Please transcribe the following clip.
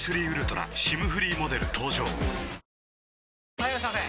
・はいいらっしゃいませ！